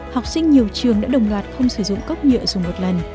học sinh nhiều trường đã đồng loạt không sử dụng cốc nhựa dùng một lần